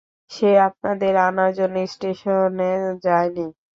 সে আপনাদের আনার জন্য স্টেশনে যায় নি?